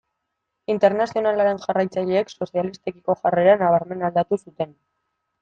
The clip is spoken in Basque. Internazionalaren jarraitzaileek sozialistekiko jarrera nabarmen aldatu zuten.